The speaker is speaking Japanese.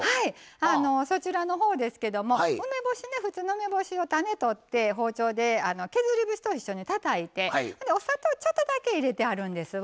そちらのほうですけども普通の梅干しを種取って包丁で削り節と一緒にたたいてお砂糖、ちょっとだけ入れてはるんですわ。